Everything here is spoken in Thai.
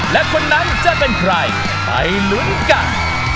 และคนนั้นจะเป็นใครไปลุ้นกัน